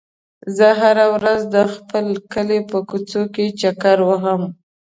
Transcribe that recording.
زه هره ورځ د خپل کلي په کوڅو کې چکر وهم.